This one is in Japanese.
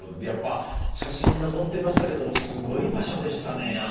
やっぱ写真残ってましたけどもすごい場所でしたねぇ